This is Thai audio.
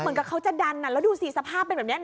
เหมือนกับเขาจะดันแล้วดูสิสภาพเป็นแบบนี้